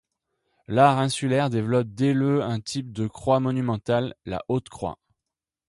L'art insulaire développe dès le un type de croix monumentale, la Haute croix.